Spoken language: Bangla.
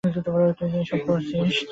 তুই এসব করেছিস?